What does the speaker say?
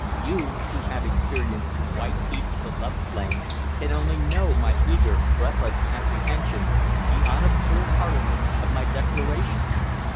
You who have experienced the white heat of the love flame can only know my eager, breathless apprehension, the honest whole heartedness of my declaration.